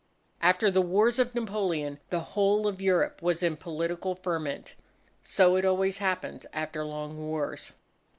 After the wars of Napoleon, the whole of Europe was in political ferment. So it always happens after long wars.